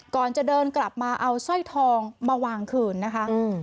ก่อนจะเดินกลับมาเอาสร้อยทองมาวางคืนนะคะ